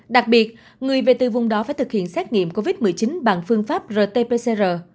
đặc biệt người về từ vùng đó phải thực hiện xét nghiệm covid một mươi chín bằng phương pháp rt pcr